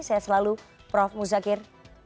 saya selalu prof mu zakir